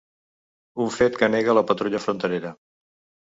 Un fet que nega la patrulla fronterera.